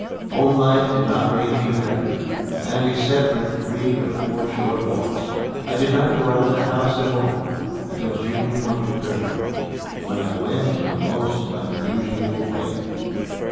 Home life did not make me better, and, except for three or four short walks, I did not go out of the house at all until June 23d, when I went in a most unusual way.